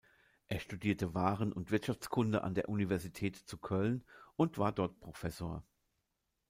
Er studierte Waren- und Wirtschaftskunde an der Universität zu Köln und war dort Professor.